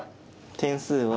点数は。